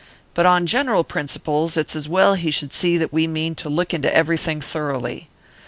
But on general principles it's as well he should see that we mean to look into everything thoroughly.